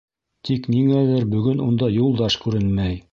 Тик ниңәлер бөгөн унда Юлдаш күренмәй.